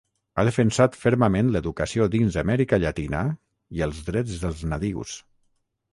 Ha defensat fermament l'educació dins Amèrica Llatina i els drets dels nadius.